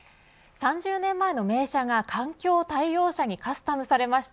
３０年前の名車が環境対応車にカスタムされました。